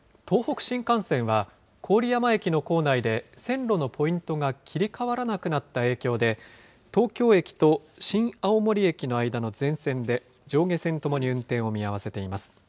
東北新幹線は、郡山駅の構内で線路のポイントが切り替わらなくなった影響で、東京駅と新青森駅の間の全線で上下線ともに運転を見合わせています。